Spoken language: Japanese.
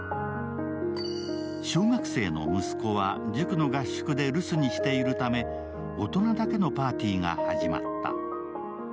小学生の息子は塾の合宿で留守にしているため、大人だけのパーティーが始まった。